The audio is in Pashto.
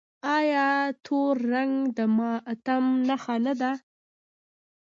آیا تور رنګ د ماتم نښه نه ده؟